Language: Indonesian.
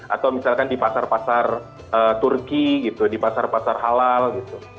atau misalkan di pasar pasar turki gitu di pasar pasar halal gitu